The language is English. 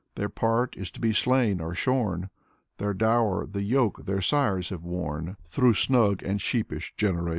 Their part is to be slain or shorn. Their dower the yoke their sires have worn Through snug and sheepish generations.